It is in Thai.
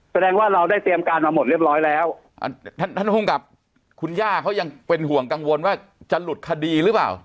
แสดงว่าเราได้เตรียมการมาหมดเรียบร้อยแล้วท่านท่านภูมิกับคุณย่าเขายังเป็นห่วงกังวลว่าจะหลุดคดีหรือเปล่า